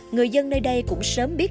người dân nơi đây cũng sớm biết